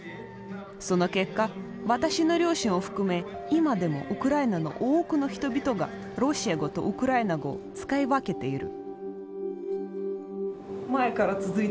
その結果私の両親を含め今でもウクライナの多くの人々がロシア語とウクライナ語を使い分けている。